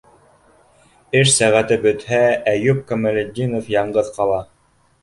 Эш сәғәте бөтһә, Әйүп Камалетдинов яңғыҙ ҡала.